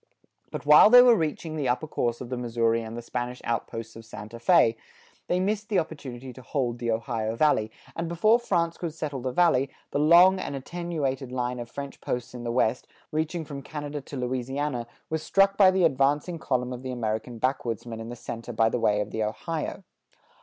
But while they were reaching the upper course of the Missouri and the Spanish outposts of Santa Fé, they missed the opportunity to hold the Ohio Valley, and before France could settle the Valley, the long and attenuated line of French posts in the west, reaching from Canada to Louisiana, was struck by the advancing column of the American backwoodsmen in the center by the way of the Ohio.